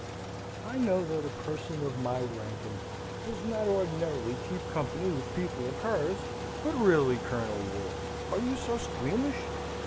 I know that a person of my rank in life does not ordinarily keep company with people of hers; but really, Colonel Wolfe, are you so squeamish?